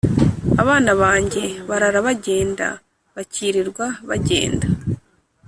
Abana banjye barara bagenda, bakirirwa bagenda